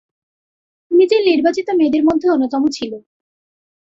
Mitchell নির্বাচিত মেয়েদের মধ্যে অন্যতম ছিল।